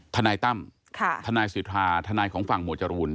ทนายตั้มทนายสิทธาทนายของฝั่งหมวดจรูน